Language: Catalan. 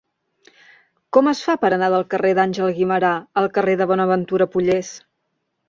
Com es fa per anar del carrer d'Àngel Guimerà al carrer de Bonaventura Pollés?